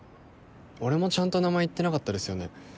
俺もちゃんと名前言ってなかったですよね？